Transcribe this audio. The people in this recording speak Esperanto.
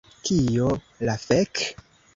Kio la fek...?